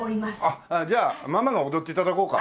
あっじゃあママが踊って頂こうか。